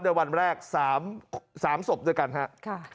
วันแรก๓ศพด้วยกันครับ